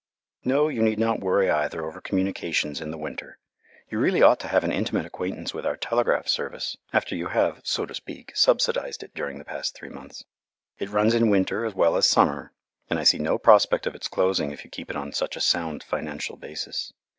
No, you need not worry either over communications in the winter. You really ought to have an intimate acquaintance with our telegraph service, after you have, so to speak, subsidized it during the past three months. It runs in winter as well as summer; and I see no prospect of its closing if you keep it on such a sound financial basis.